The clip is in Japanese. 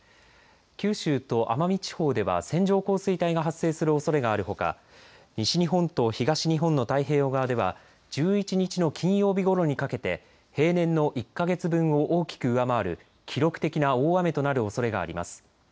九州と奄美地方では線状降水帯が発生するおそれがあるほか西日本と東日本の太平洋側では１１日の金曜日ごろにかけて平年の１か月分を大きく上回る記録的な大雨となるおそれがあります。